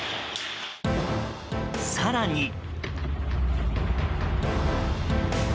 更に。